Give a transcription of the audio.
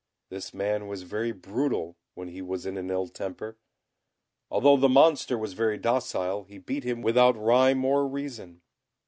This man was very brutal when he was in an ill temper. Although the Monster was very docile, he beat him without rhyme or reason.